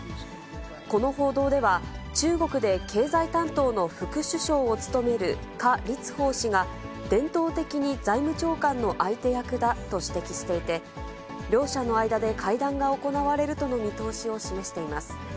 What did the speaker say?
この報道では、中国で経済担当の副首相を務める、何立峰氏が、伝統的に財務長官の相手役だと指摘していて、両者の間で会談が行われるとの見通しを示しています。